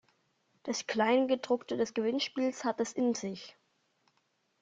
Das Kleingedruckte des Gewinnspiels hat es in sich.